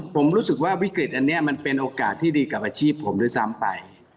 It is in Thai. ผมรู้สึกว่าวิกฤตอันนี้มันเป็นโอกาสที่ดีกับอาชีพผมด้วยซ้ำไป